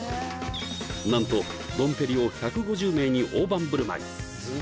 なんとドンペリを１５０名に大盤振る舞い